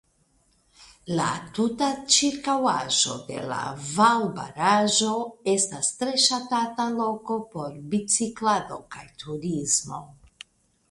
La tuta ĉirkaŭaĵo de la valbaraĵo estas tre ŝatata loko por biciklado kaj turismo.